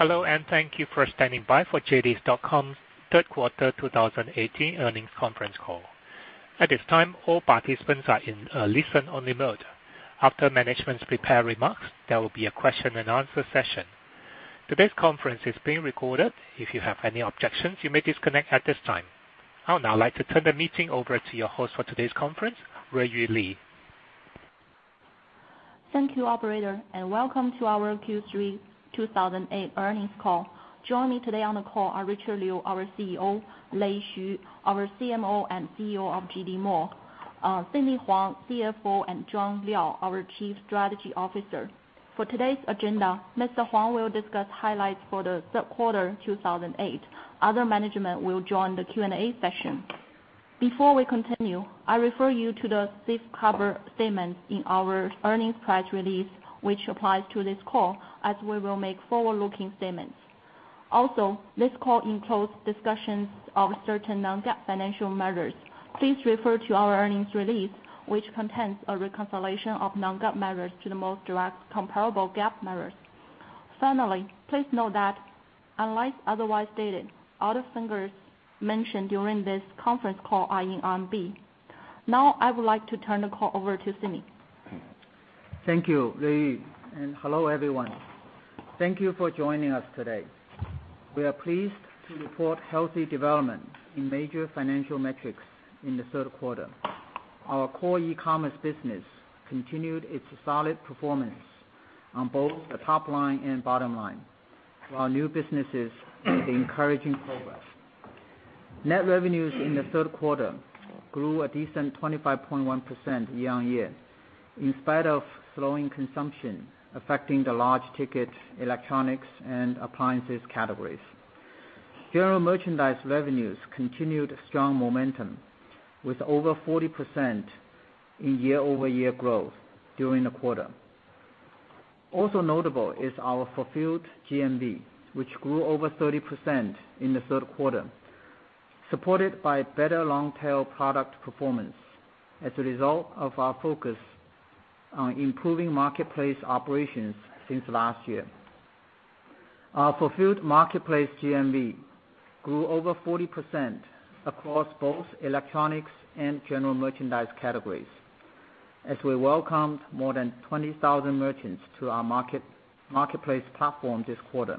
Hello, and thank you for standing by for JD.com's third quarter 2018 earnings conference call. At this time, all participants are in a listen-only mode. After management's prepared remarks, there will be a question and answer session. Today's conference is being recorded. If you have any objections, you may disconnect at this time. I would now like to turn the meeting over to your host for today's conference, Ruiyu Li. Thank you, operator, and welcome to our Q3 2018 earnings call. Joining me today on the call are Richard Liu, our CEO, Lei Xu, our CMO and CEO of JD Mall, Sidney Huang, CFO, and Jianwen Liao, our Chief Strategy Officer. For today's agenda, Mr. Huang will discuss highlights for the third quarter 2018. Other management will join the Q&A session. Before we continue, I refer you to the safe harbor statement in our earnings press release which applies to this call, as we will make forward-looking statements. Also, this call includes discussions of certain non-GAAP financial measures. Please refer to our earnings release, which contains a reconciliation of non-GAAP measures to the most direct comparable GAAP measures. Finally, please note that unless otherwise stated, all the figures mentioned during this conference call are in RMB. Now, I would like to turn the call over to Sidney. Thank you, Ruiyu, and hello, everyone. Thank you for joining us today. We are pleased to report healthy development in major financial metrics in the third quarter. Our core e-commerce business continued its solid performance on both the top line and bottom line, while new businesses made encouraging progress. Net revenues in the third quarter grew a decent 25.1% year-on-year, in spite of slowing consumption affecting the large ticket, electronics, and appliances categories. General merchandise revenues continued strong momentum with over 40% in year-over-year growth during the quarter. Also notable is our fulfilled GMV, which grew over 30% in the third quarter, supported by better long-tail product performance as a result of our focus on improving marketplace operations since last year. Our fulfilled marketplace GMV grew over 40% across both electronics and general merchandise categories, as we welcomed more than 20,000 merchants to our marketplace platform this quarter.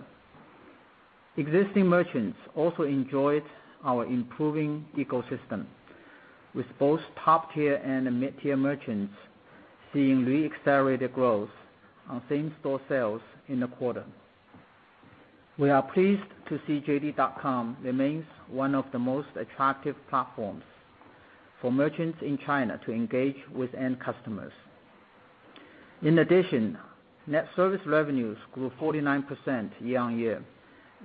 Existing merchants also enjoyed our improving ecosystem, with both top-tier and mid-tier merchants seeing re-accelerated growth on same-store sales in the quarter. We are pleased to see JD.com remains one of the most attractive platforms for merchants in China to engage with end customers. In addition, net service revenues grew 49% year-on-year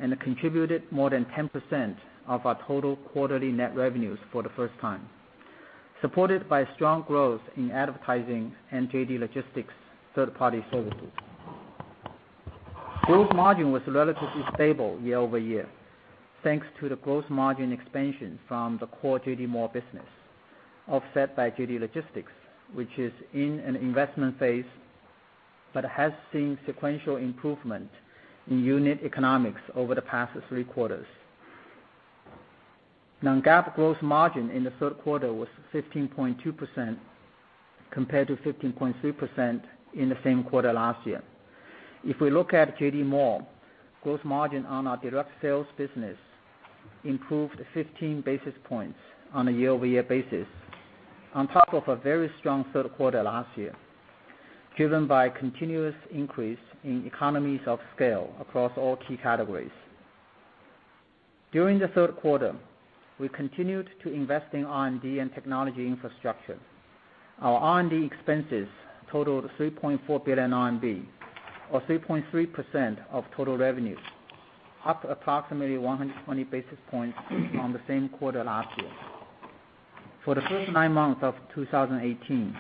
and contributed more than 10% of our total quarterly net revenues for the first time, supported by strong growth in advertising and JD Logistics third-party services. Gross margin was relatively stable year-over-year, thanks to the gross margin expansion from the core JD Mall business, offset by JD Logistics, which is in an investment phase but has seen sequential improvement in unit economics over the past three quarters. Non-GAAP gross margin in the third quarter was 15.2% compared to 15.3% in the same quarter last year. If we look at JD Mall, gross margin on our direct sales business improved 15 basis points on a year-over-year basis, on top of a very strong third quarter last year, driven by continuous increase in economies of scale across all key categories. During the third quarter, we continued to invest in R&D and technology infrastructure. Our R&D expenses totaled 3.4 billion RMB, or 3.3% of total revenues, up approximately 120 basis points on the same quarter last year. For the first nine months of 2018,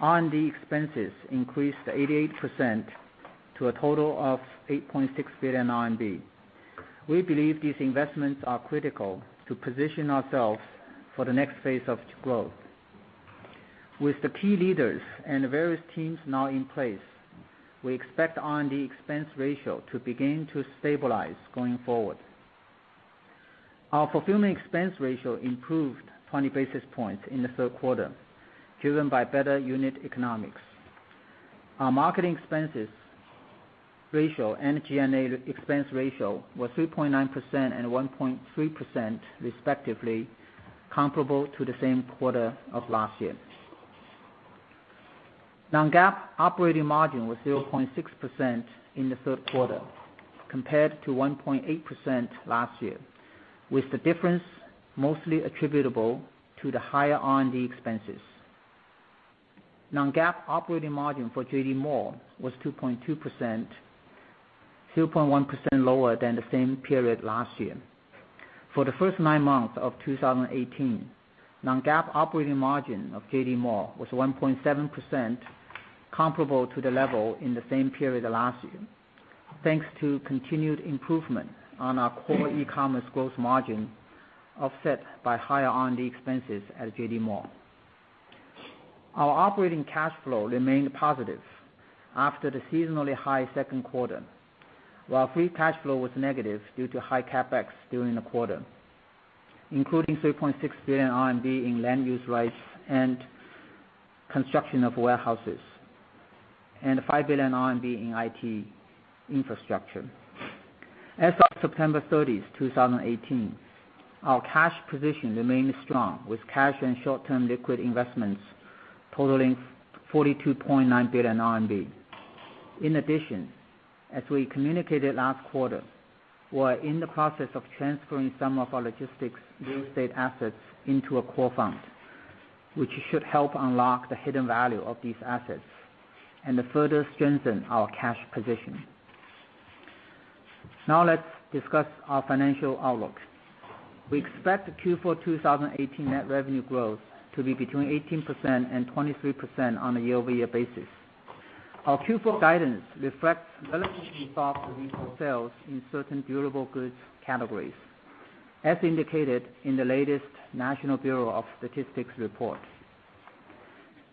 R&D expenses increased 88% to a total of 8.6 billion RMB. We believe these investments are critical to position ourselves for the next phase of growth. With the key leaders and various teams now in place, we expect R&D expense ratio to begin to stabilize going forward. Our fulfillment expense ratio improved 20 basis points in the third quarter, driven by better unit economics. Our marketing expenses ratio and G&A expense ratio were 3.9% and 1.3% respectively, comparable to the same quarter of last year. Non-GAAP operating margin was 0.6% in the third quarter compared to 1.8% last year, with the difference mostly attributable to the higher R&D expenses. Non-GAAP operating margin for JD Mall was 2.2%, 2.1% lower than the same period last year. For the first nine months of 2018, non-GAAP operating margin of JD Mall was 1.7%, comparable to the level in the same period last year, thanks to continued improvement on our core e-commerce gross margin, offset by higher R&D expenses at JD Mall. Our operating cash flow remained positive after the seasonally high second quarter, while free cash flow was negative due to high CapEx during the quarter, including 3.6 billion RMB in land use rights and construction of warehouses, and 5 billion RMB in IT infrastructure. As of September 30th, 2018, our cash position remains strong with cash and short-term liquid investments totaling 42.9 billion RMB. In addition, as we communicated last quarter, we are in the process of transferring some of our logistics real estate assets into a core fund, which should help unlock the hidden value of these assets and further strengthen our cash position. Now let's discuss our financial outlook. We expect the Q4 2018 net revenue growth to be between 18% and 23% on a year-over-year basis. Our Q4 guidance reflects relatively soft retail sales in certain durable goods categories, as indicated in the latest National Bureau of Statistics report.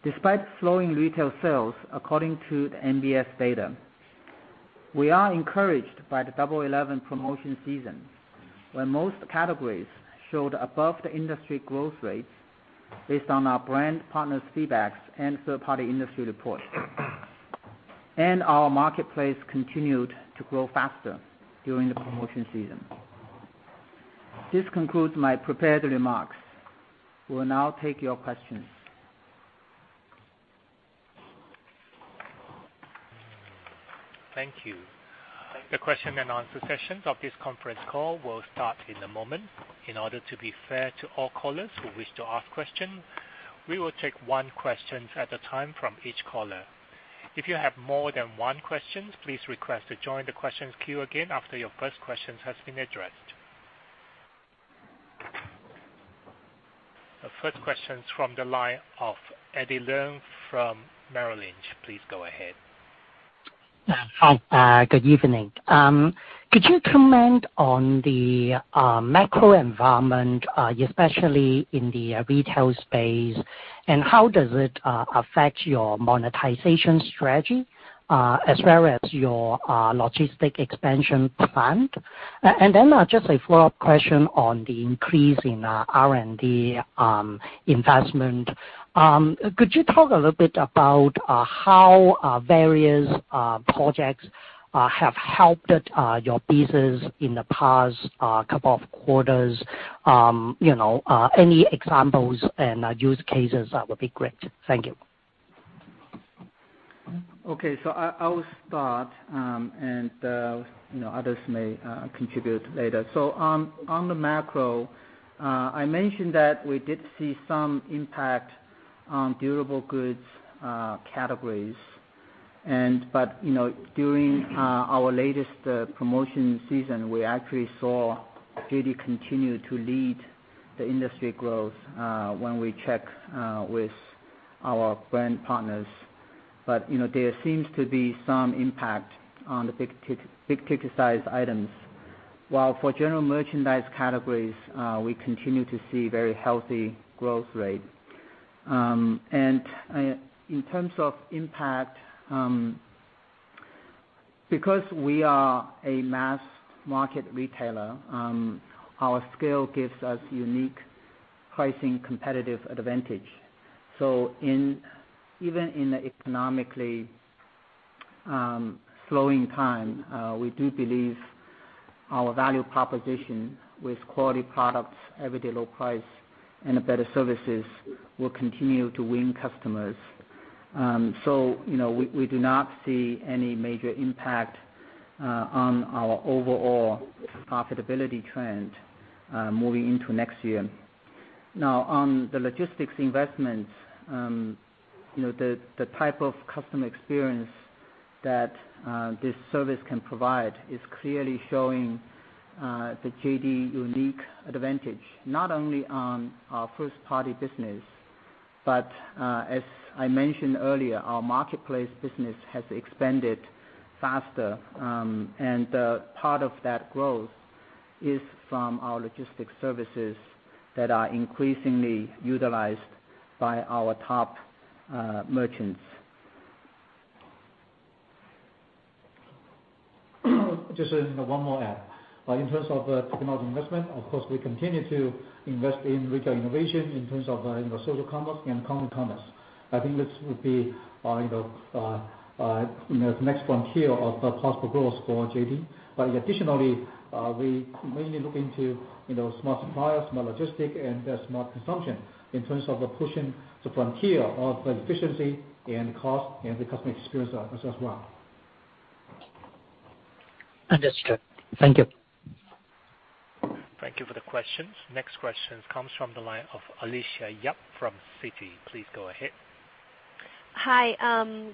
Despite slowing retail sales according to the NBS data, we are encouraged by the Double Eleven promotion season, where most categories showed above the industry growth rates based on our brand partners' feedbacks and third-party industry reports. Our marketplace continued to grow faster during the promotion season. This concludes my prepared remarks. We will now take your questions. Thank you. The question and answer sessions of this conference call will start in a moment. In order to be fair to all callers who wish to ask questions, we will take one questions at a time from each caller. If you have more than one questions, please request to join the questions queue again after your first question has been addressed. The first question's from the line of Eddie Leung from Merrill Lynch. Please go ahead. Hi. Good evening. Could you comment on the macro environment, especially in the retail space, and how does it affect your monetization strategy, as well as your logistic expansion plan? Just a follow-up question on the increase in R&D investment. Could you talk a little bit about how various projects have helped your business in the past couple of quarters? Any examples and use cases that would be great. Thank you. Okay. I will start, and others may contribute later. On the macro, I mentioned that we did see some impact on durable goods categories. During our latest promotion season, we actually saw JD continue to lead the industry growth when we checked with our brand partners. There seems to be some impact on the big-ticket size items. While for general merchandise categories, we continue to see very healthy growth rate. In terms of impact, because we are a mass market retailer, our scale gives us unique pricing competitive advantage. Even in the economically slowing time, we do believe our value proposition with quality products, everyday low price, and better services will continue to win customers. We do not see any major impact on our overall profitability trend moving into next year. Now, on the logistics investments, the type of customer experience that this service can provide is clearly showing the JD unique advantage, not only on our first-party business but, as I mentioned earlier, our marketplace business has expanded faster. Part of that growth is from our logistics services that are increasingly utilized by our top merchants. Just one more add. In terms of technology investment, of course, we continue to invest in retail innovation in terms of social commerce and content commerce. I think this would be the next frontier of possible growth for JD. Additionally, we mainly look into smart suppliers, smart logistics, and smart consumption in terms of pushing the frontier of the efficiency and cost and the customer experience as well. Understood. Thank you. Thank you for the question. Next question comes from the line of Alicia Yap from Citi. Please go ahead. Hi.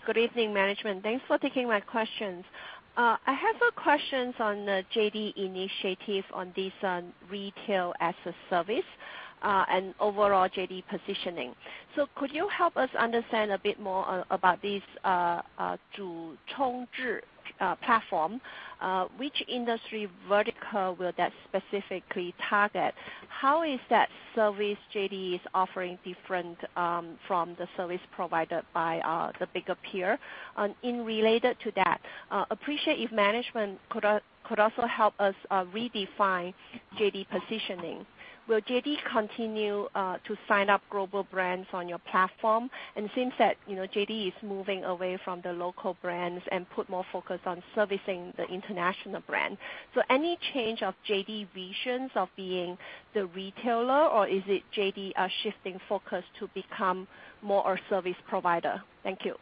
Good evening, management. Thanks for taking my question. I have a question on the JD initiative on this retail asset service. Overall JD positioning. Could you help us understand a bit more about this platform? Which industry vertical will that specifically target? How is that service JD is offering different from the service provided by the bigger peer? Related to that, appreciate if management could also help us redefine JD positioning. Will JD continue to sign up global brands on your platform? It seems that JD is moving away from the local brands and put more focus on servicing the international brand. Any change of JD's vision of being the retailer, or is JD shifting focus to become more a service provider? Thank you.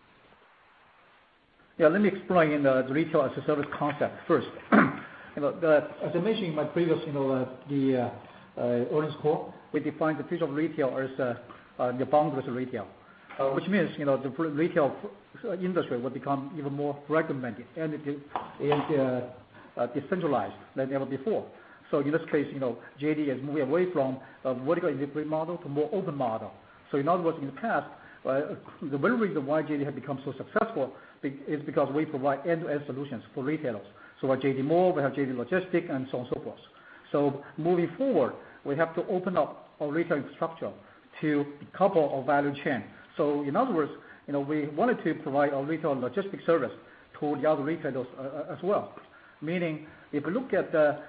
Yeah, let me explain the retail-as-a-service concept first. As I mentioned in my previous earnings call, we defined the future of retail as the boundless retail. The retail industry will become even more fragmented and decentralized than ever before. In this case, JD is moving away from a vertical delivery model to a more open model. In other words, in the past, the very reason why JD had become so successful is because we provide end-to-end solutions for retailers. We have JD Mall, we have JD Logistics, and so on and so forth. Moving forward, we have to open up our retail infrastructure to a couple of value chain. In other words, we wanted to provide our retail and logistics service to the other retailers as well. Meaning, if you look at a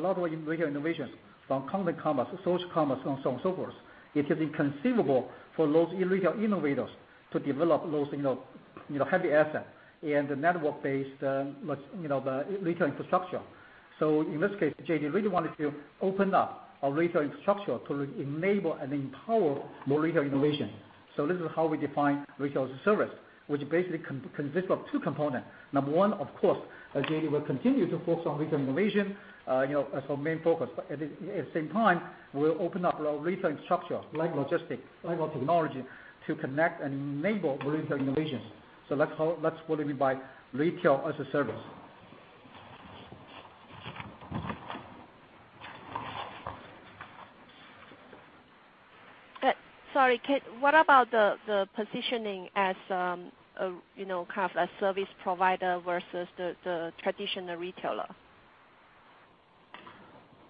lot of retail innovations, from commerce, social commerce, and so on and so forth, it is inconceivable for those retail innovators to develop those heavy assets and the network-based retail infrastructure. In this case, JD really wanted to open up our retail infrastructure to enable and empower more retail innovation. This is how we define retail as a service, which basically consists of two components. Number one, of course, JD will continue to focus on retail innovation, as our main focus. At the same time, we'll open up our retail infrastructure, like logistics, like technology, to connect and enable retail innovations. That's what we mean by retail-as-a-service. Sorry, what about the positioning as kind of a service provider versus the traditional retailer?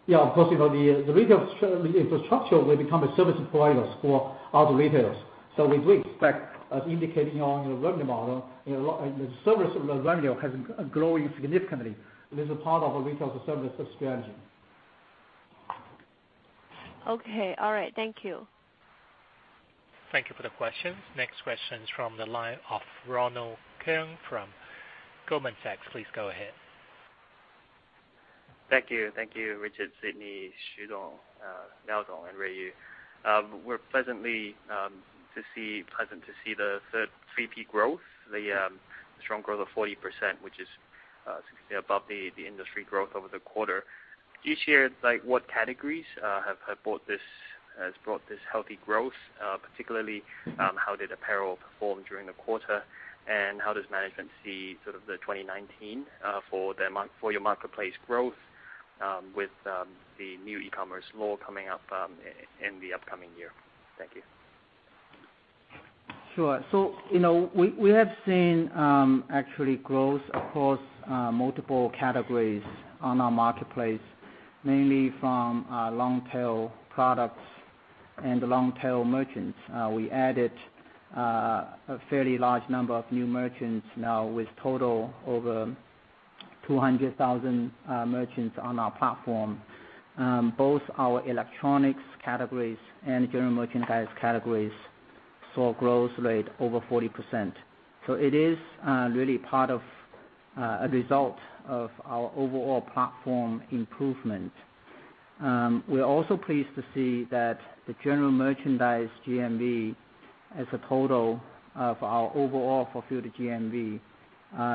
Yeah, of course, the retail infrastructure will become a service provider for other retailers. We do expect, as indicated on the revenue model, the service revenue has been growing significantly. It is a part of our retail-as-a-service strategy. Okay. All right. Thank you. Thank you for the question. Next question is from the line of Ronald Keung from Goldman Sachs. Please go ahead. Thank you. Thank you, Richard, Sidney, Xudong, Maozhong, and Ruiyu. We're pleasant to see the third 3P growth, the strong growth of 40%, which is significantly above the industry growth over the quarter. Can you share, like, what categories has brought this healthy growth? Particularly, how did apparel perform during the quarter, and how does management see sort of the 2019 for your marketplace growth, with the new E-Commerce Law coming up in the upcoming year? Thank you. Sure. We have seen actual growth across multiple categories on our marketplace, mainly from long-tail products and long-tail merchants. We added a fairly large number of new merchants now, with total over 200,000 merchants on our platform. Both our electronics categories and general merchandise categories saw a growth rate over 40%. It is really part of a result of our overall platform improvement. We're also pleased to see that the general merchandise GMV, as a total of our overall fulfilled GMV,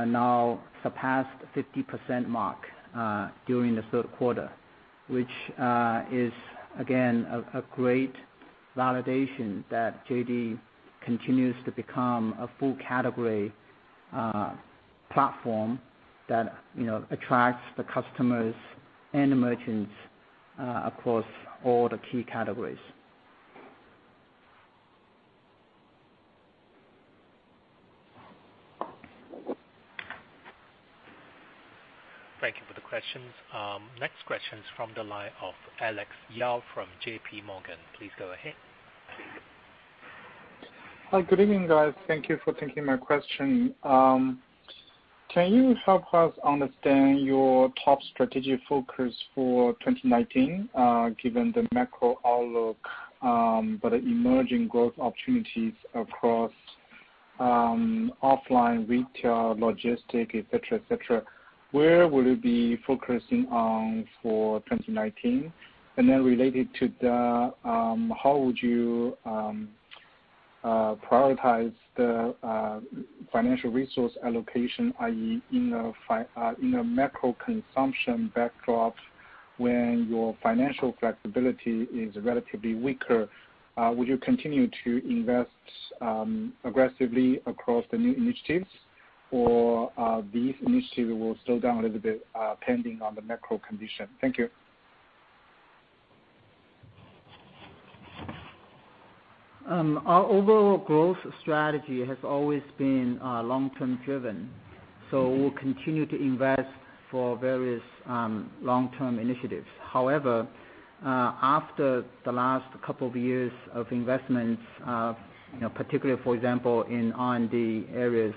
now surpassed 50% mark during the third quarter, which is, again, a great validation that JD continues to become a full-category platform that attracts the customers and the merchants across all the key categories. Thank you for the question. Next question is from the line of Alex Yao from JPMorgan. Please go ahead. Hi. Good evening, guys. Thank you for taking my question. Can you help us understand your top strategic focus for 2019, given the macro outlook, but emerging growth opportunities across offline retail, logistic, et cetera? Where will you be focusing on for 2019? Then related to that, how would you prioritize the financial resource allocation, i.e., in a macro consumption backdrop, when your financial flexibility is relatively weaker, would you continue to invest aggressively across the new initiatives? These initiatives will slow down a little bit, pending on the macro condition. Thank you. Our overall growth strategy has always been long-term driven. We'll continue to invest for various long-term initiatives. However, after the last couple of years of investments, particularly, for example, in R&D areas,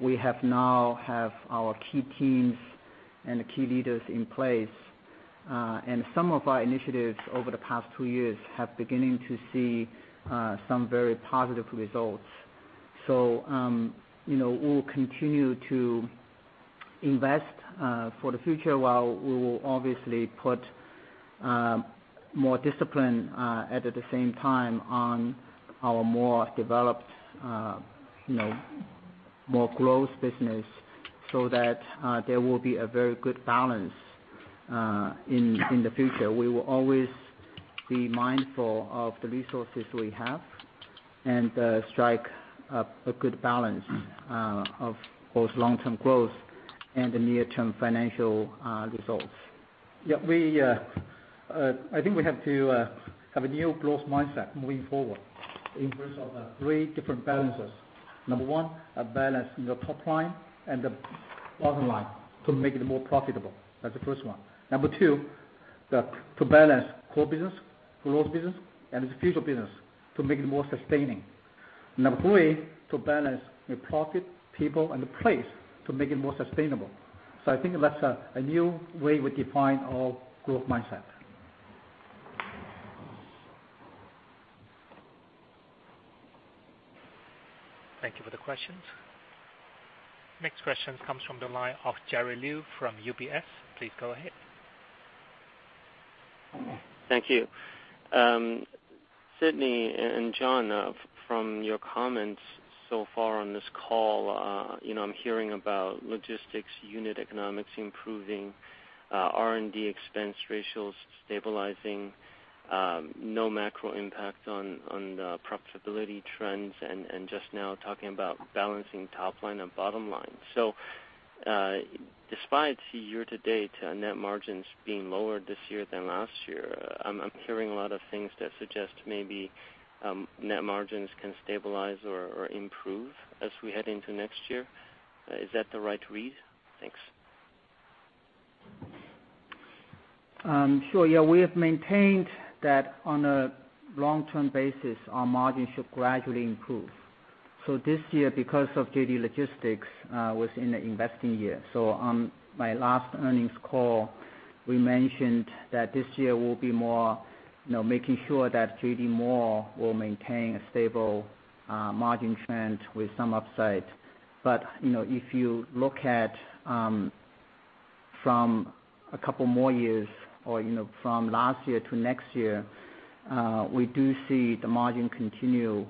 we now have our key teams and the key leaders in place. Some of our initiatives over the past two years have beginning to see some very positive results. We'll continue to invest for the future, while we will obviously put more discipline at the same time on our more developed, more growth business, so that there will be a very good balance in the future. We will always be mindful of the resources we have and strike a good balance of both long-term growth and the near-term financial results. Yeah. I think we have to have a new growth mindset moving forward in pursuit of three different balances. Number one, a balance in the top line and the bottom line to make it more profitable. That's the first one. Number two, to balance core business, growth business, and the future business to make it more sustaining. Number three, to balance the profit, people, and the place to make it more sustainable. I think that's a new way we define our growth mindset. Thank you for the questions. Next question comes from the line of Jerry Liu from UBS. Please go ahead. Thank you. Sidney and Jianwen, from your comments so far on this call, I'm hearing about logistics unit economics improving, R&D expense ratios stabilizing, no macro impact on the profitability trends, and just now talking about balancing top line and bottom line. Despite year-to-date net margins being lower this year than last year, I'm hearing a lot of things that suggest maybe net margins can stabilize or improve as we head into next year. Is that the right read? Thanks. Sure. Yeah. We have maintained that on a long-term basis, our margin should gradually improve. This year, because of JD Logistics, was in the investing year. On my last earnings call, we mentioned that this year will be more making sure that JD Mall will maintain a stable margin trend with some upside. If you look at from a couple more years or from last year to next year, we do see the margin continue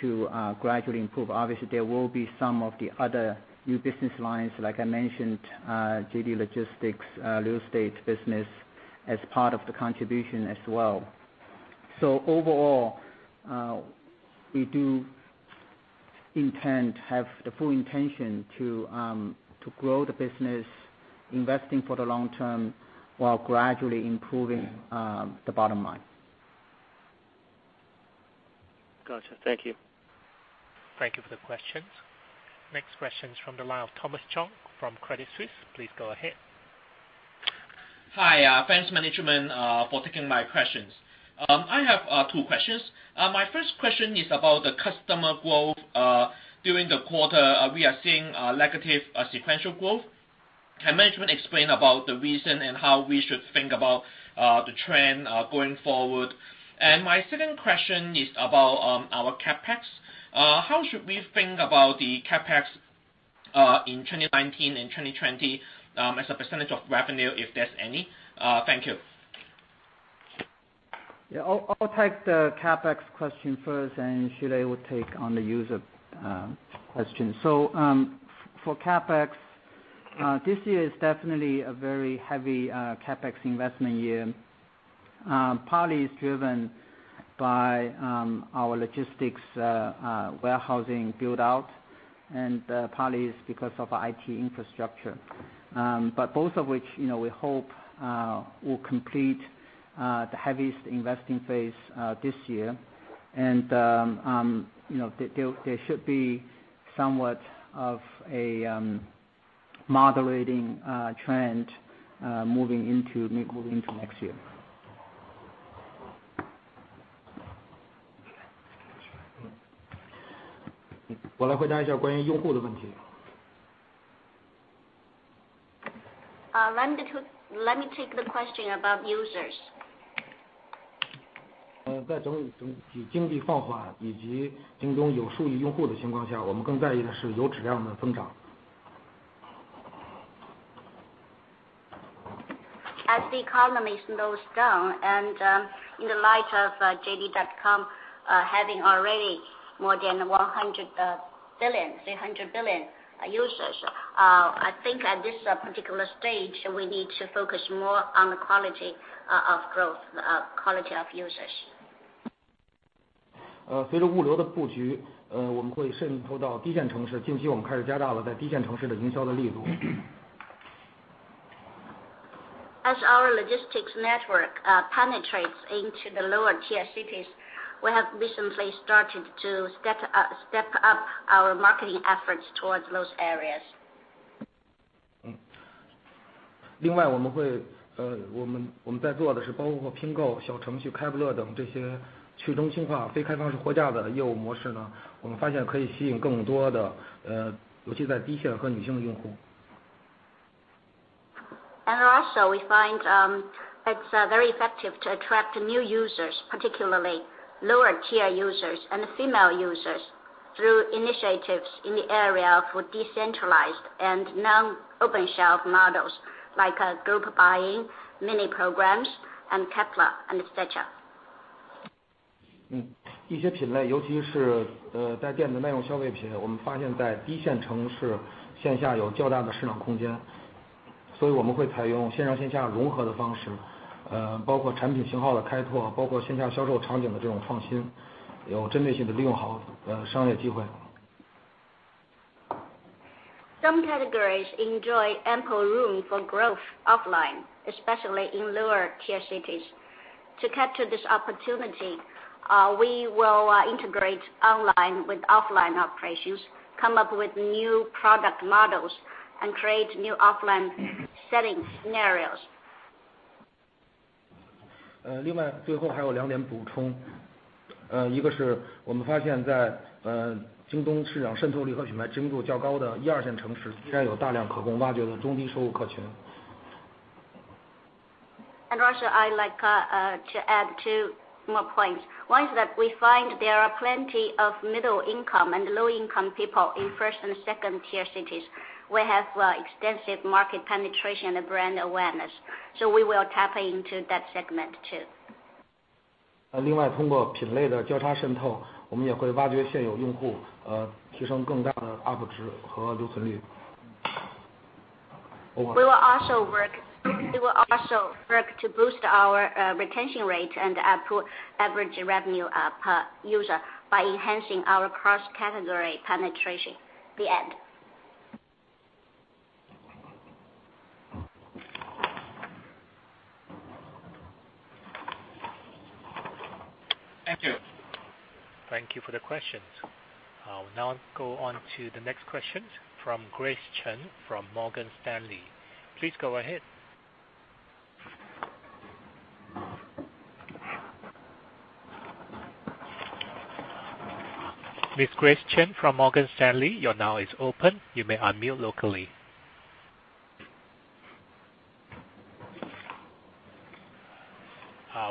to gradually improve. Obviously, there will be some of the other new business lines, like I mentioned, JD Logistics real estate business as part of the contribution as well. Overall, we do have the full intention to grow the business, investing for the long term while gradually improving the bottom line. Got you. Thank you. Thank you for the questions. Next question is from the line of Thomas Chung from Credit Suisse. Please go ahead. Hi. Thanks management for taking my questions. I have two questions. My first question is about the customer growth. During the quarter, we are seeing a negative sequential growth. Can management explain about the reason and how we should think about the trend going forward? My second question is about our CapEx. How should we think about the CapEx in 2019 and 2020 as a percentage of revenue, if there's any? Thank you. Yeah. I'll take the CapEx question first, and Lei Xu will take on the user question. For CapEx, this year is definitely a very heavy CapEx investment year. Partly, it's driven by our logistics warehousing build-out, and partly it's because of our IT infrastructure. Both of which, we hope, will complete the heaviest investing phase this year. There should be somewhat of a moderating trend moving into next year. Let me take the question about users. As the economy slows down and in the light of JD.com having already more than 100 billion users, I think at this particular stage, we need to focus more on the quality of growth, quality of users. 随着物流的布局，我们会渗透到低线城市，近期我们开始加大了在低线城市的营销的力度。As our logistics network penetrates into the lower tier cities, we have recently started to step up our marketing efforts towards those areas. 另外，我们在做的是包括拼购、小程序、Kepler等这些去中心化、非开放式货架的业务模式，我们发现可以吸引更多的，尤其在低线和女性用户。We find it is very effective to attract new users, particularly lower tier users and female users, through initiatives in the area for decentralized and non-open shelf models like group buying, mini programs and Kepler and etc. 一些品类，尤其是在线的耐用消费品，我们发现在低线城市线下有较大的市场空间，所以我们会采用线上线下融合的方式，包括产品型号的开拓，包括线下销售场景的这种创新，有针对性地利用好商业机会。Some categories enjoy ample room for growth offline, especially in lower tier cities. To capture this opportunity, we will integrate online with offline operations, come up with new product models, and create new offline setting scenarios. 另外，最后还有两点补充。一个是我们发现在京东市场渗透力和品牌精度较高的1、2线城市，依然有大量可供挖掘的中低收入客群。I would like to add two more points. One is that we find there are plenty of middle income and low-income people in first and second tier cities. We have extensive market penetration and brand awareness, so we will tap into that segment too. 另外，通过品类的交叉渗透，我们也会挖掘现有用户，提升更大的ARPU值和留存率。We will also work to boost our retention rate and ARPU average revenue per user by enhancing our cross-category penetration. The end. Thank you. Thank you for the question. Go on to the next question from Grace Chen from Morgan Stanley. Please go ahead. Miss Grace Chen from Morgan Stanley, your line is open. You may unmute locally.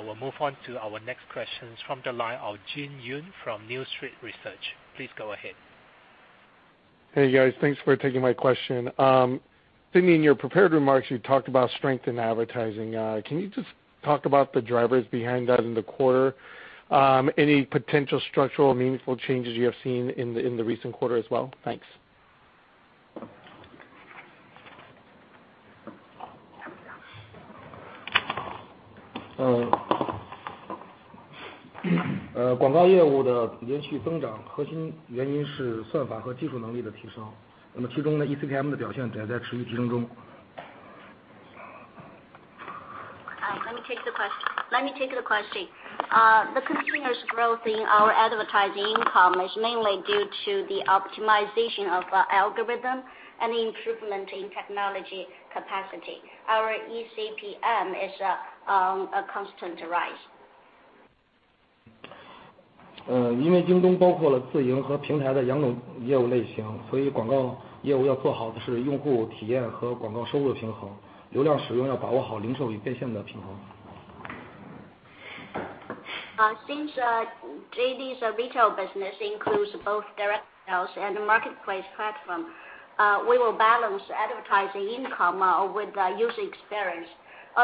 We'll move on to our next questions from the line of Jin Yoon from New Street Research. Please go ahead. Hey guys, thanks for taking my question. Sidney, 在你的 prepared remarks 中，你提到了广告方面的优势。你能谈谈这一季度相关的驱动因素吗？另外，在最近的季度，你是否观察到任何潜在的结构性或有意义的变化？Thanks. 广告业务的连续增长核心原因是算法和技术能力的提升，其中的eCPM的表现也在持续提升中。Let me take the question. The continuous growth in our advertising income is mainly due to the optimization of algorithm and improvement in technology capacity. Our eCPM is a constant rise. 因为京东包括了自营和平台的两种业务类型，所以广告业务要做好的是用户体验和广告收入的平衡，流量使用要把握好零售与变现的平衡。Since JD's retail business includes both direct sales and marketplace platform, we will balance advertising income with user experience. In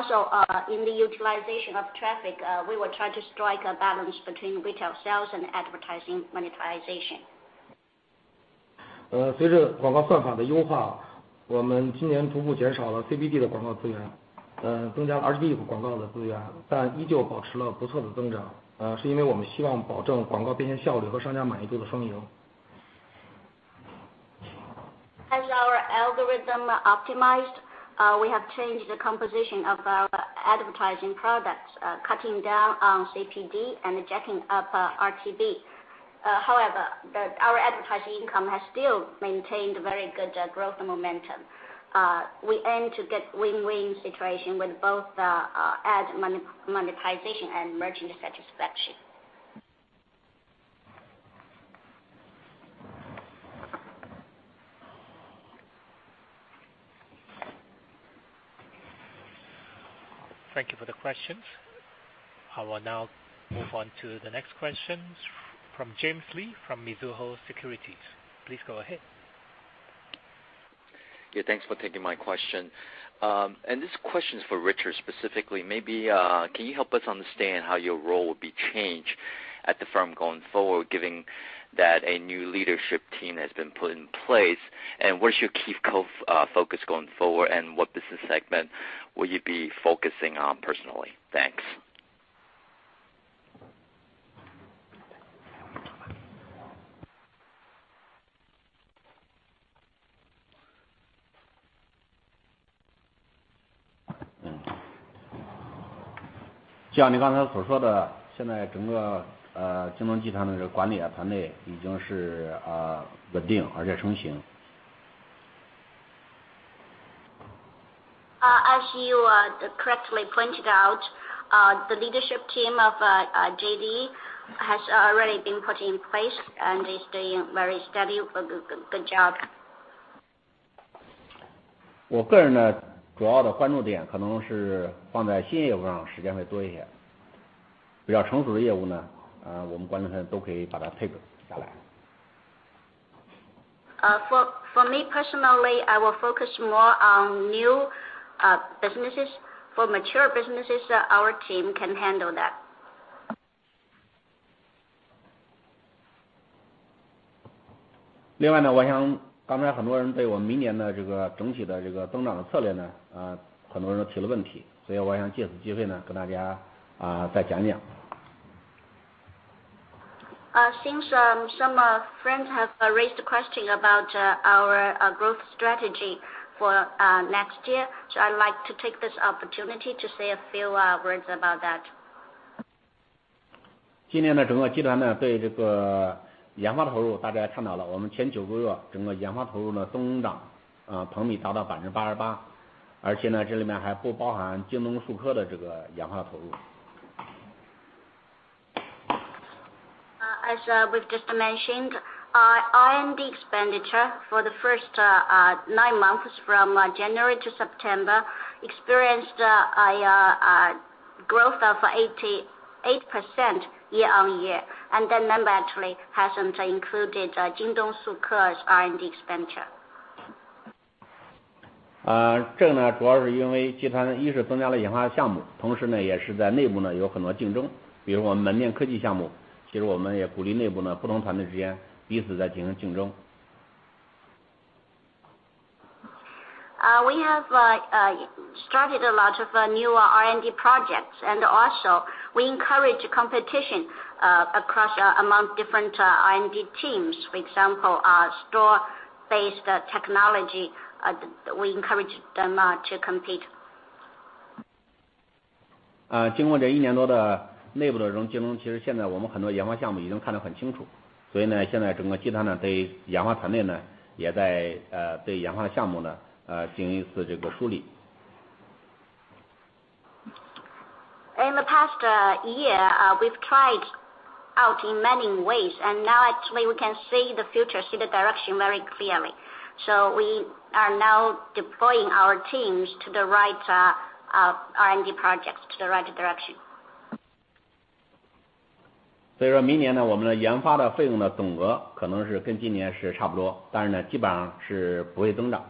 the utilization of traffic, we will try to strike a balance between retail sales and advertising monetization. 随着广告算法的优化，我们今年逐步减少了CPD的广告资源，增加了RTB广告的资源，但依旧保持了不错的增长。是因为我们希望保证广告变现效率和商家满意度的双赢。As our algorithm optimized, we have changed the composition of our advertising products, cutting down on CPD and jacking up RTB. Our advertising income has still maintained very good growth momentum. We aim to get win-win situation with both ads monetization and merchant satisfaction. Thank you for the question. I will now move on to the next question from James Lee from Mizuho Securities. Please go ahead. Yeah, thanks for taking my question. This question is for Richard specifically. Maybe can you help us understand how your role will be changed at the firm going forward given that a new leadership team has been put in place. What's your key focus going forward, and what business segment will you be focusing on personally? Thanks. 像你刚才所说的，现在整个京东集团的管理团队已经是稳定而且成型。As you correctly pointed out, the leadership team of JD has already been put in place and is doing a very steady, good job. 我个人的主要的关注点可能是放在新业务上，时间会多一些。比较成熟的业务呢，我们管理层都可以把它handle下来。For me personally, I will focus more on new businesses. For mature businesses, our team can handle that. 另外呢，我想刚才很多人对我们明年的整体的增长的策略呢，很多人都提了问题，所以我想借此机会跟大家再讲讲。Since some friends have raised the question about our growth strategy for next year, so I'd like to take this opportunity to say a few words about that. 今年整个集团对研发投入，大家也看到了，我们前九个月整个研发投入的增长同比达到88%，而且这里面还不包含京东数科的研发投入。As we've just mentioned, our R&D expenditure for the first nine months from January to September experienced a growth of 88% year-on-year. That number actually hasn't included JD Digits R&D expenditure. 这个主要是因为集团一是增加了研发项目，同时也是在内部有很多竞争，比如我们门店科技项目，其实我们也鼓励内部不同团队之间彼此在进行竞争。We have started a lot of new R&D projects, also we encourage competition across among different R&D teams. For example, store-based technology, we encourage them to compete. 经过这一年多的内部的竞争，其实现在我们很多研发项目已经看得很清楚，所以现在整个集团对研发团队，也在对研发的项目进行一次梳理。In the past year, we've tried out in many ways, now, actually we can see the future, see the direction very clearly. We are now deploying our teams to the right R&D projects, to the right direction. 所以说明年我们的研发的费用的总额可能是跟今年差不多，但是基本上是不会增长。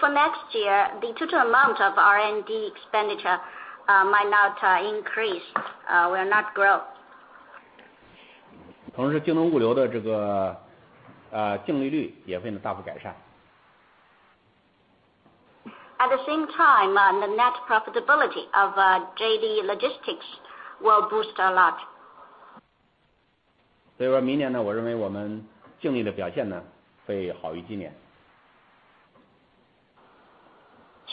For next year, the total amount of R&D expenditure might not increase, will not grow. 同时，京东物流的净利率也会大幅改善。At the same time, the net profitability of JD Logistics will boost a lot. 所以说明年我认为我们净利的表现会好于今年。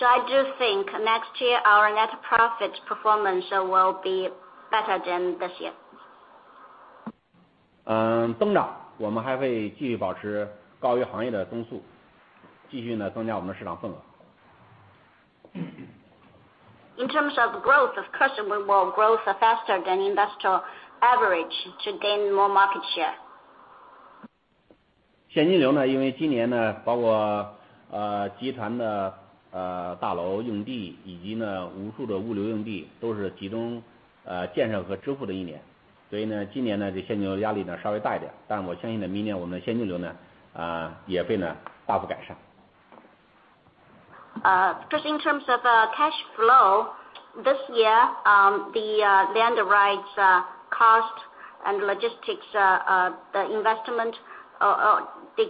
I do think next year our net profit performance will be better than this year. 增长我们还会继续保持高于行业的增速，继续增加我们的市场份额。In terms of growth, of course, we will grow faster than industrial average to gain more market share. 现金流因为今年包括集团的大楼用地以及无数的物流用地，都是集中建设和支付的一年，所以今年现金流压力稍微大一点，但我相信明年我们的现金流也会大幅改善。In terms of cash flow, this year, the land rights cost and logistics investment are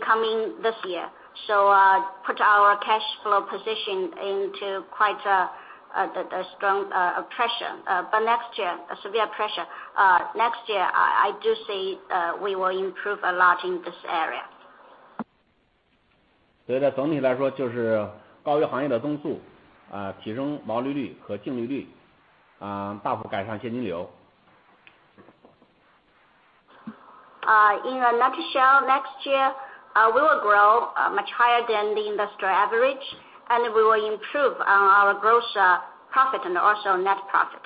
coming this year. Put our cash flow position into quite a strong pressure. Next year, severe pressure. Next year, I do see we will improve a lot in this area. 所以总体来说，就是高于行业的增速，提升毛利率和净利率，大幅改善现金流。In a nutshell, next year we will grow much higher than the industrial average, and we will improve our gross profit and also net profit.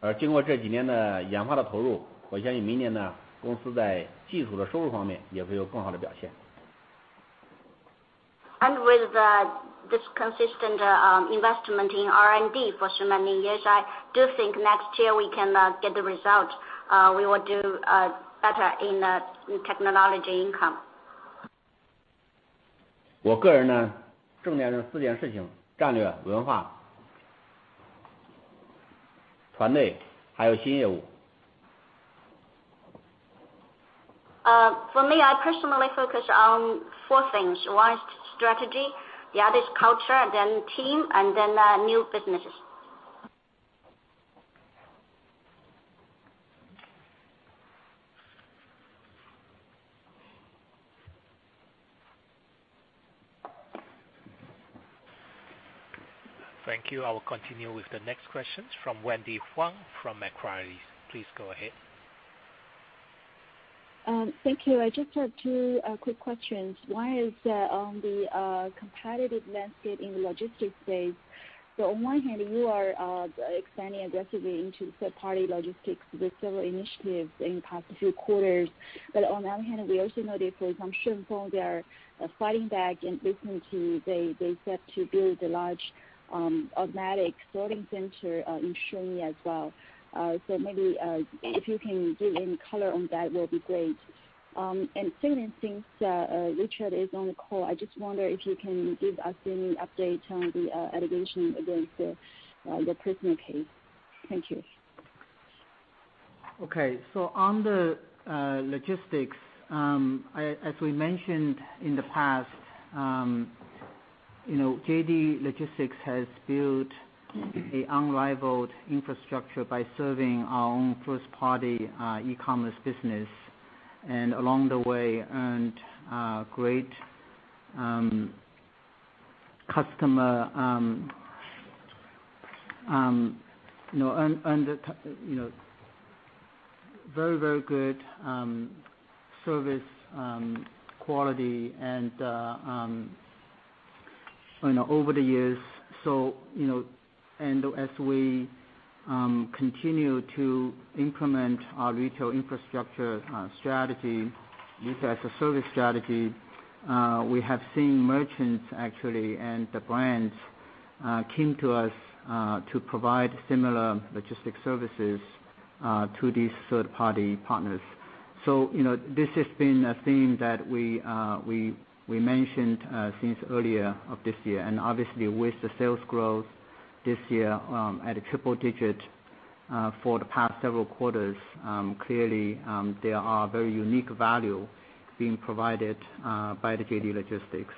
而经过这几年的研发的投入，我相信明年公司在技术的收入方面也会有更好的表现。With this consistent investment in R&D for so many years, I do think next year we can get the result. We will do better in technology income. 我个人重点的四件事情：战略、文化、团队，还有新业务。For me, I personally focus on four things. One is strategy, the other is culture, then team, and then new businesses. Thank you. I will continue with the next questions from Wendy Huang from Macquarie. Please go ahead. Thank you. I just have two quick questions. One is on the competitive landscape in the logistics space. On one hand, you are expanding aggressively into third-party logistics with several initiatives in the past few quarters. On the other hand, we also noticed with they are fighting back and listening to you. They said to build a large automatic sorting center in as well. Maybe if you can give any color on that will be great. Second thing, since Richard is on the call, I just wonder if you can give us any update on the allegation against the personal case. Thank you. Okay, on the logistics, as we mentioned in the past, JD Logistics has built a unrivaled infrastructure by serving our own first-party e-commerce business, along the way earned a very, very good service quality over the years. As we continue to implement our retail infrastructure strategy, retail as a service strategy, we have seen merchants actually, the brands came to us to provide similar logistics services to these third-party partners. This has been a theme that we mentioned since earlier of this year. Obviously with the sales growth this year at a triple digit for the past several quarters, clearly there are very unique value being provided by the JD Logistics.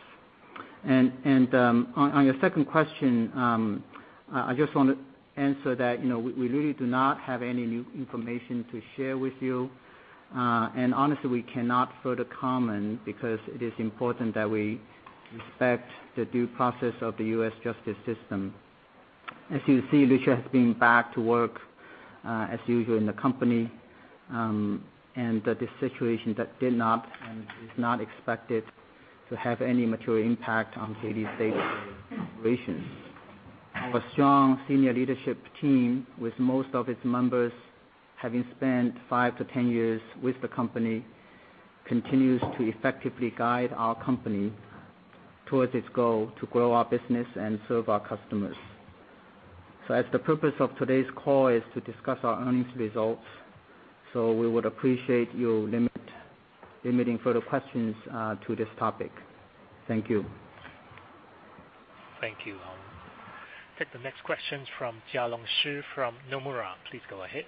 On your second question, I just want to answer that we really do not have any new information to share with you. Honestly, we cannot further comment because it is important that we respect the due process of the U.S. justice system. As you see, Richard has been back to work as usual in the company, that this situation did not and is not expected to have any material impact on JD's day-to-day operations. Our strong senior leadership team, with most of its members having spent five to 10 years with the company, continues to effectively guide our company towards its goal to grow our business and serve our customers. As the purpose of today's call is to discuss our earnings results, we would appreciate you limiting further questions to this topic. Thank you. Thank you. Take the next question from Jialong Shi from Nomura. Please go ahead.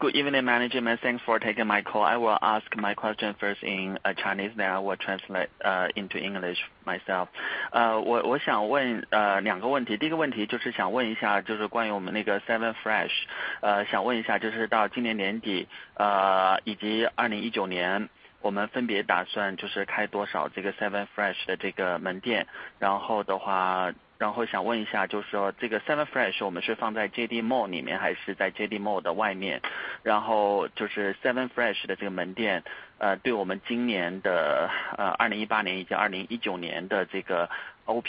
Good evening, management. Thanks for taking my call. I will ask my question first in Chinese, then I will translate into English myself. 我想问两个问题，第一个问题就是想问一下，就是关于我们那个7Fresh，想问一下就是到今年年底，以及2019年，我们分别打算开多少这个7Fresh的门店？然后想问一下，就是说这个7Fresh我们是放在JD Mall里面，还是在JD Mall的外面？然后就是7Fresh的这个门店，对我们今年的2018年以及2019年的OP margin的impact，大概我们怎么去评估？这是第一个问题。然后第二个问题就是想问一下，我记得Sidney在Q2的conference call有提到过，我们有一个plan，就是要把我们的物流的资产，然后把它capitalize。然后就是想问一下，那么现在最新的进展是怎么样的？然后如果说这个capitalization最后做成的话，那对我们2019年的consolidated OP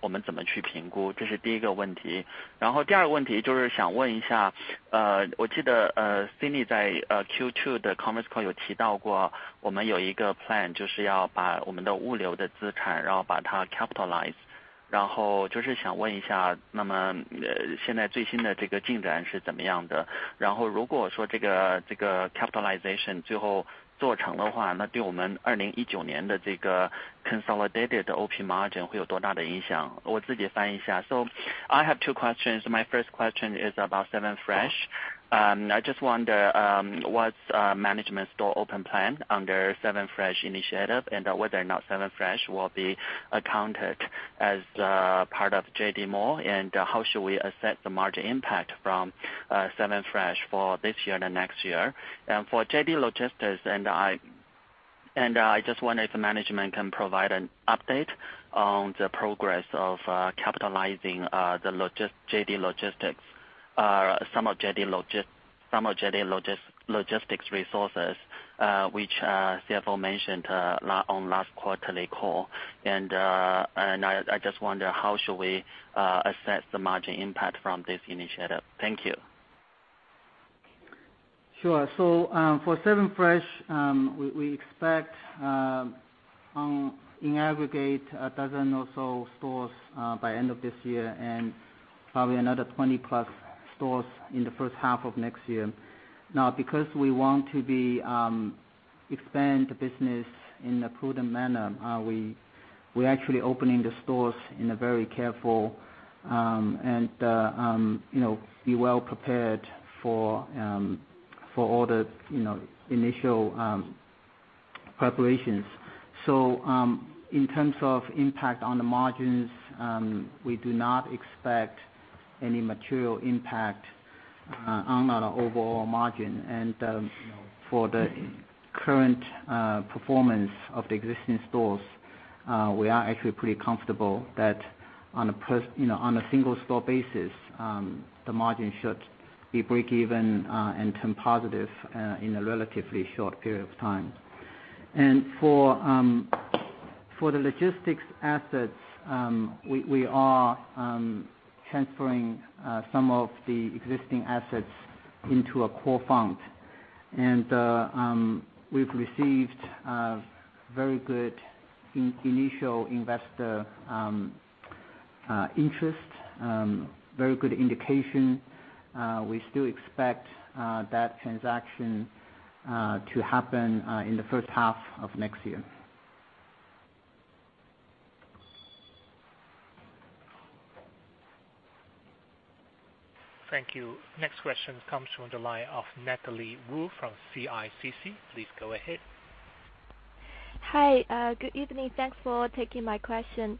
margin会有多大的影响？我自己翻译一下。So I have two questions. My first question is about 7Fresh. I just wonder what's management store open plan under 7Fresh initiative, and whether or not 7Fresh will be accounted as part of JD Mall, and how should we assess the margin impact from 7Fresh for this year and next year? For JD Logistics, I just wonder if management can provide an update on the progress of capitalizing some of JD Logistics resources, which CFO mentioned on last quarterly call. I just wonder, how should we assess the margin impact from this initiative? Thank you. Sure. For 7Fresh, we expect in aggregate a dozen or so stores by end of this year and probably another 20 plus stores in the first half of next year. Because we want to expand the business in a prudent manner, we're actually opening the stores in a very careful and we're well-prepared for all the initial preparations. In terms of impact on the margins, we do not expect any material impact on our overall margin. For the current performance of the existing stores, we are actually pretty comfortable that on a single store basis, the margin should be break even and turn positive in a relatively short period of time. For the logistics assets, we are transferring some of the existing assets into a core fund. We've received a very good initial investor interest, very good indication. We still expect that transaction to happen in the first half of next year. Thank you. Next question comes from the line of Natalie Wu from CICC. Please go ahead. Hi. Good evening. Thanks for taking my question.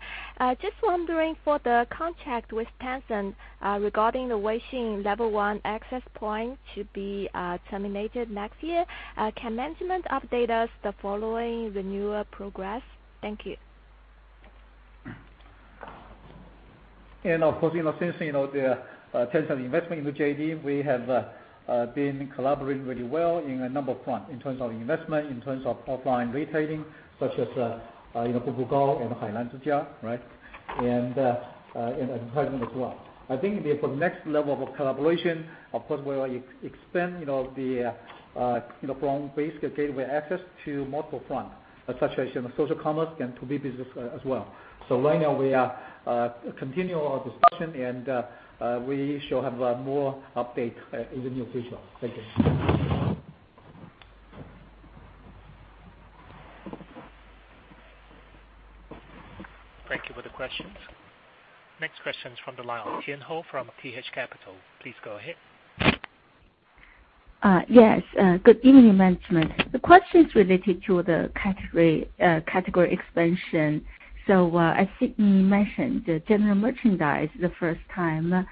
Just wondering for the contract with Tencent regarding the Weixin level 1 access point to be terminated next year, can management update us the following the newer progress? Thank you. Of course, since the Tencent investment into JD, we have been collaborating really well in a number of fronts in terms of investment, in terms of offline retailing, such as Vipshop and Hailan Zhijia, and advertising as well. I think for the next level of collaboration, of course, we will expand from basic gateway access to multiple fronts, such as social commerce and 2B business as well. Right now we are continuing our discussion, and we shall have more update in the near future. Thank you. Thank you for the questions. Next question's from the line of Tian Hou from TH Capital. Please go ahead. Yes. Good evening, management. The question's related to the category expansion. As Sidney mentioned, the general merchandise the first time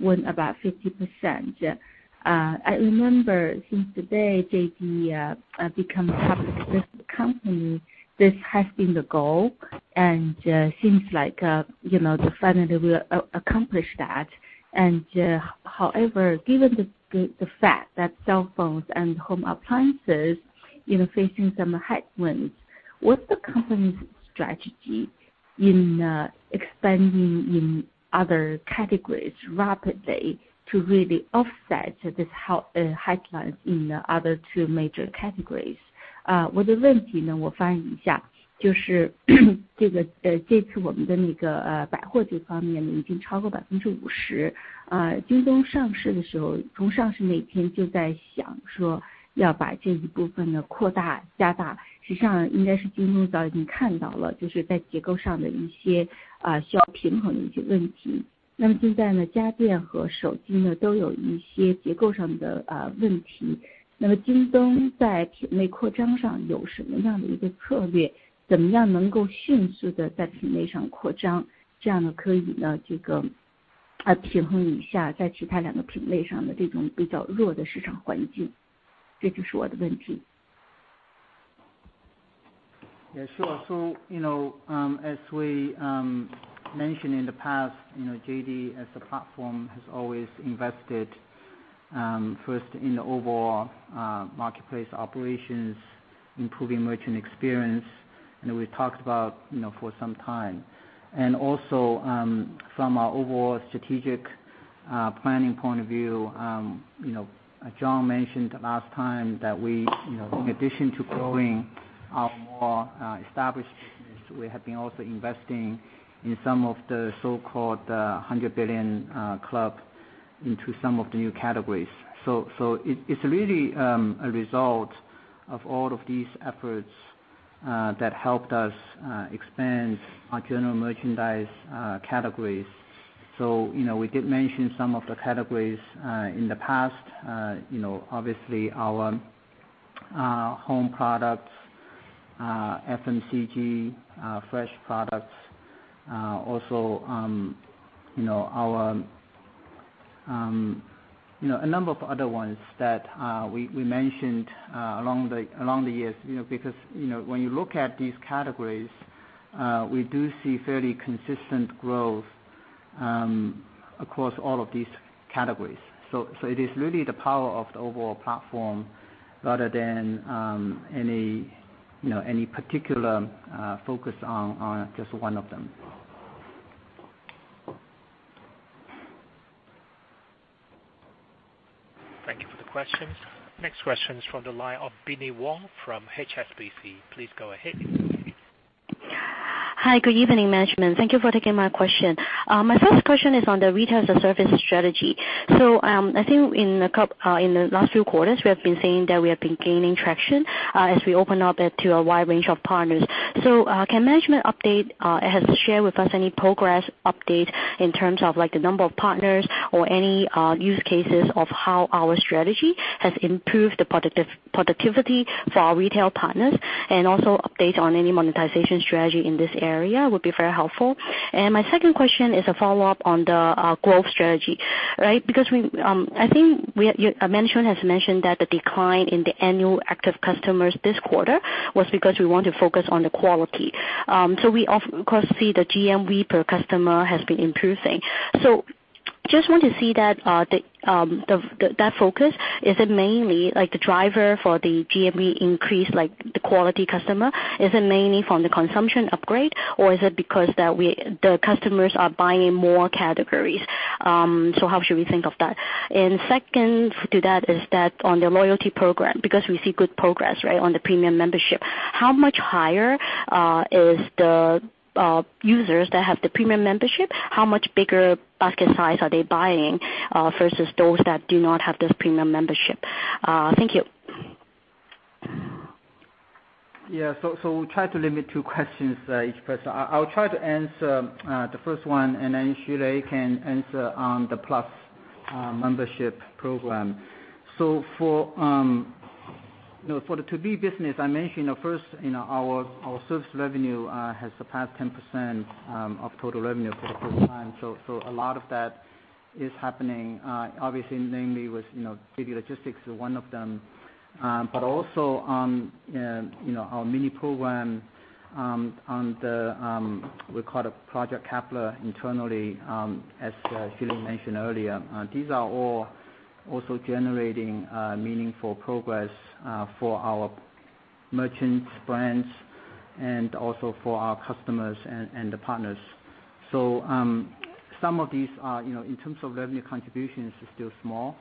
went about 50%. I remember since the day JD became a public company, this has been the goal, and seems like they finally will accomplish that. However, given the fact that cell phones and home appliances are facing some headwinds, what's the company's strategy in expanding in other categories rapidly to really offset this headline in the other two major categories? As we mentioned in the past, JD as a platform has always invested first in the overall marketplace operations, improving merchant experience, and we've talked about for some time. Also, from our overall strategic planning point of view, as Jianwen mentioned last time, that we, in addition to growing our more established business, we have been also investing in some of the so-called hundred billion club into some of the new categories. It's really a result of all of these efforts that helped us expand our general merchandise categories. We did mention some of the categories in the past. Obviously, our home products, FMCG, fresh products. A number of other ones that we mentioned along the years. When you look at these categories, we do see fairly consistent growth across all of these categories. It is really the power of the overall platform rather than any particular focus on just one of them. Thank you for the questions. Next question's from the line of Binnie Wong from HSBC. Please go ahead. Hi, good evening, management. Thank you for taking my question. My first question is on the retail as a service strategy. I think in the last few quarters, we have been saying that we have been gaining traction as we open up to a wide range of partners. Can management update or has shared with us any progress update in terms of the number of partners or any use cases of how our strategy has improved the productivity for our retail partners? Also update on any monetization strategy in this area would be very helpful. My second question is a follow-up on the growth strategy. I think Sidney has mentioned that the decline in the annual active customers this quarter was because we want to focus on the quality. We, of course, see the GMV per customer has been improving. Just want to see that focus, is it mainly the driver for the GMV increase, like the quality customer, is it mainly from the consumption upgrade or is it because the customers are buying more categories? How should we think of that? Second to that is that on the loyalty program, because we see good progress on the premium membership, how much higher is the users that have the premium membership, how much bigger basket size are they buying, versus those that do not have this premium membership? Thank you. We try to limit two questions each person. I'll try to answer the first one, and then Lei Xu can answer on the Plus membership program. For the 2B business, I mentioned first, our service revenue has surpassed 10% of total revenue for the first time. A lot of that is happening, obviously, namely with JD Logistics one of them. Also our mini program, we call it Project Kepler internally, as Lei Xu mentioned earlier. These are all also generating meaningful progress for our merchants, brands, and also for our customers and the partners. Some of these are, in terms of revenue contributions, are still small.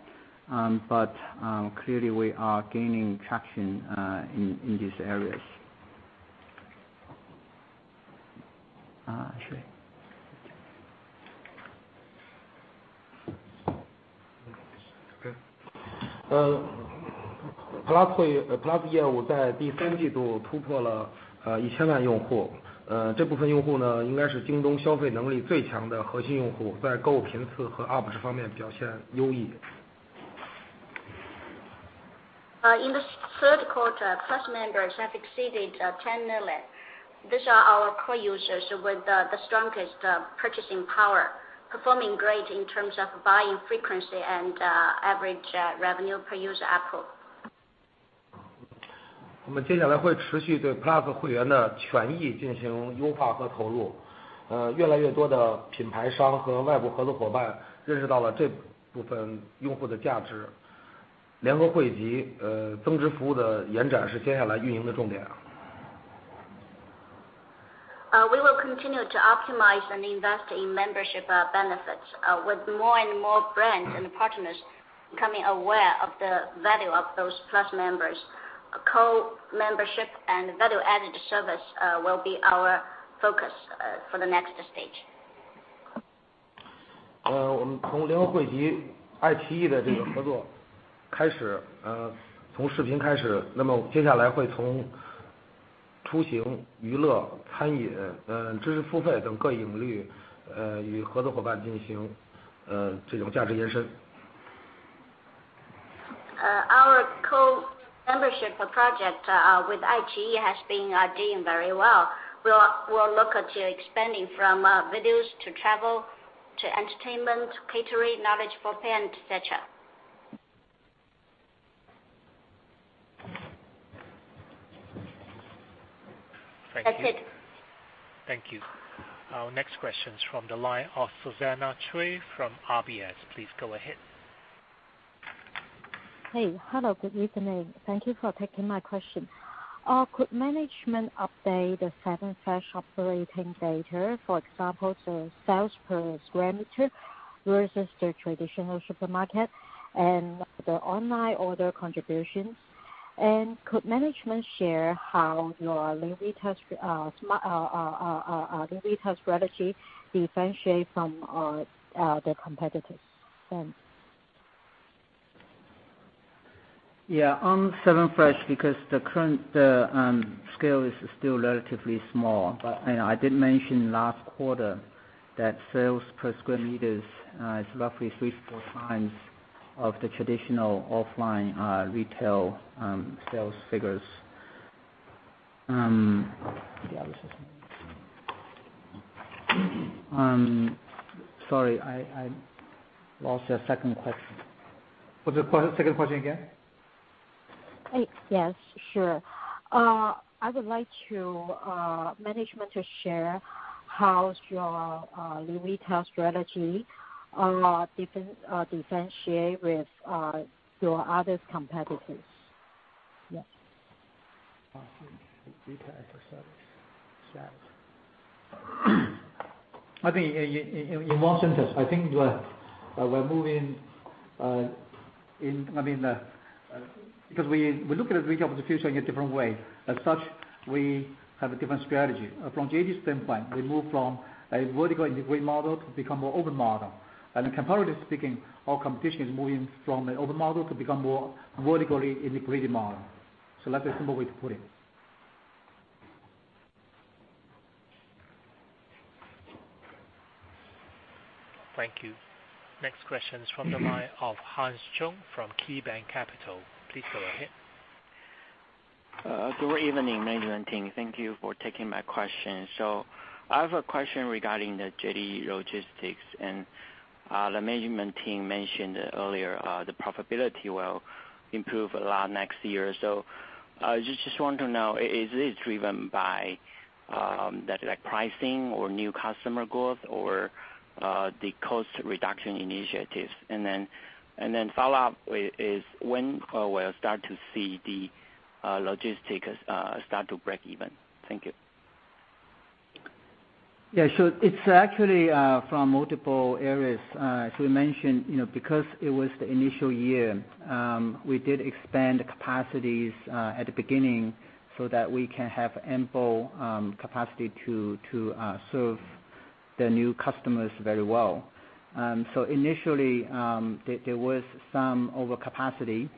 Clearly we are gaining traction in these areas. Lei Xu. JD PLUS业务在第三季度突破了1,000万用户。这部分用户应该是京东消费能力最强的核心用户，在购物频次和ARPU值方面表现优异。In the third quarter, Plus members have exceeded 10 million. These are our core users with the strongest purchasing power, performing great in terms of buying frequency and average revenue per user ARPU. 我们接下来会持续对PLUS会员的权益进行优化和投入。越来越多的品牌商和外部合作伙伴认识到了这部分用户的价值。联合汇集增值服务的延展是接下来运营的重点。We will continue to optimize and invest in membership benefits, with more and more brands and partners becoming aware of the value of those Plus members. Co-membership and value-added service will be our focus for the next stage. 我们从联合汇集爱奇艺的这个合作开始，从视频开始，那么接下来会从出行、娱乐、餐饮、知识付费等各影率与合作伙伴进行这种价值延伸。Our co-membership project with iQIYI has been doing very well. We'll look at expanding from videos to travel, to entertainment, catering, knowledge for pay, and et cetera. Thank you. That's it. Thank you. Our next question is from the line of Susanna Cui from RBS. Please go ahead. Hey. Hello, good evening. Thank you for taking my question. Could management update the 7Fresh operating data, for example, the sales per square meter versus the traditional supermarket and the online order contributions? Could management share how your new retail strategy differentiate from the competitors? Thanks. Yeah. On 7Fresh, because the current scale is still relatively small. I did mention last quarter that sales per square meters is roughly three to four times of the traditional offline retail sales figures. Sorry, I lost the second question. What's the second question again? Yes, sure. I would like management to share how your new retail strategy differentiate with your other competitors. Yes. Awesome. I think in one sentence, I think we're moving in because we look at retail of the future in a different way. As such, we have a different strategy. From JD's standpoint, we move from a vertical integrated model to become a more open model. Comparatively speaking, our competition is moving from an open model to become more vertically integrated model. That's a simple way to put it. Thank you. Next question is from the line of Hans Chung from KeyBanc Capital. Please go ahead. Good evening, management team. Thank you for taking my question. I have a question regarding the JD Logistics and the management team mentioned earlier the profitability will improve a lot next year. I just want to know, is this driven by the direct pricing or new customer growth or the cost reduction initiatives? Follow-up is when we'll start to see the Logistics start to break even. Thank you. Yeah, sure. It's actually from multiple areas. As we mentioned, because it was the initial year, we did expand the capacities at the beginning so that we can have ample capacity to serve the new customers very well. Initially, there was some overcapacity.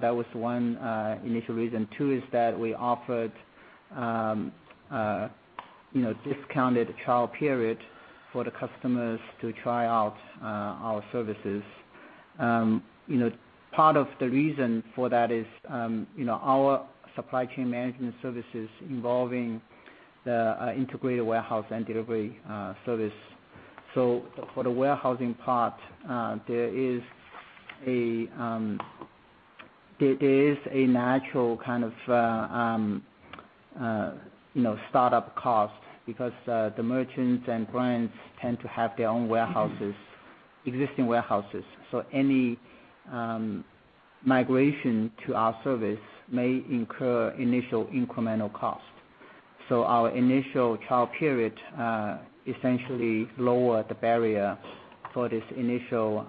That was one initial reason. Two is that we offered a discounted trial period for the customers to try out our services. Part of the reason for that is our supply chain management services involving the integrated warehouse and delivery service. For the warehousing part, there is a natural kind of startup cost because the merchants and brands tend to have their own existing warehouses. Any migration to our service may incur initial incremental cost. Our initial trial period, essentially lowered the barrier for this initial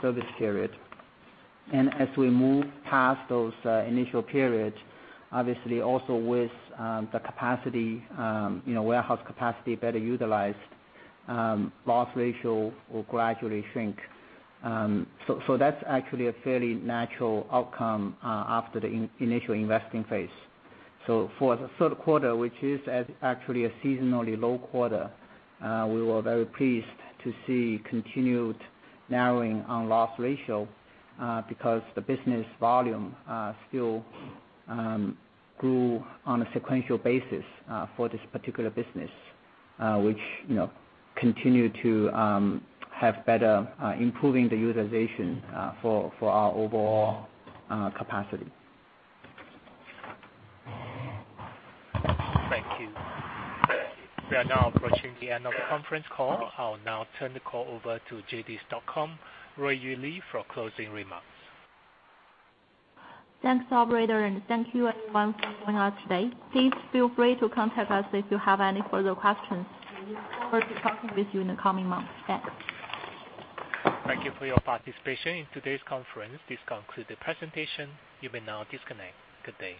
service period. As we move past those initial periods, obviously also with the warehouse capacity better utilized, loss ratio will gradually shrink. That's actually a fairly natural outcome after the initial investing phase. For the third quarter, which is actually a seasonally low quarter, we were very pleased to see continued narrowing on loss ratio, because the business volume still grew on a sequential basis, for this particular business which continued to have better improving the utilization for our overall capacity. Thank you. We are now approaching the end of the conference call. I'll now turn the call over to JD.com, Ruiyu Li, for closing remarks. Thanks, operator, and thank you everyone for joining us today. Please feel free to contact us if you have any further questions. We look forward to talking with you in the coming months. Thanks. Thank you for your participation in today's conference. This concludes the presentation. You may now disconnect. Good day.